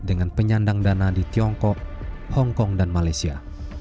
dengan penyandang dana di tiongkok hongkong dan malaysia